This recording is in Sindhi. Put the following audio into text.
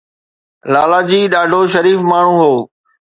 لالاجي ڏاڍو شريف ماڻهو هو